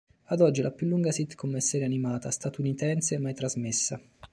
Ad oggi è la più lunga sitcom e serie animata statunitense mai trasmessa.